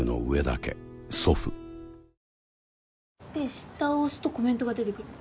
下を押すとコメントが出てくるの。